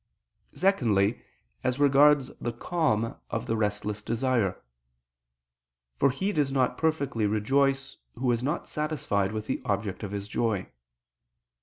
Secondly, as regards the calm of the restless desire: for he does not perfectly rejoice, who is not satisfied with the object of his joy.